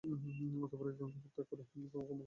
অতঃপর একজনকে হত্যা করে ও অপরজনকে ক্ষমা করে দেয়।